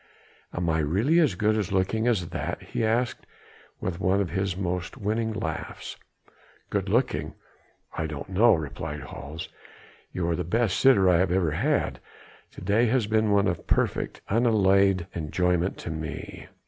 "Am I really as good looking as that?" he asked with one of his most winning laughs. "Good looking? I don't know," replied Hals, "you are the best sitter I have ever had. To day has been one of perfect, unalloyed enjoyment to me."